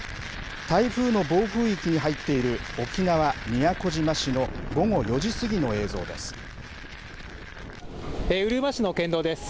台風の暴風域に入っている沖縄・宮古島市の午後４時過ぎの映像でうるま市の県道です。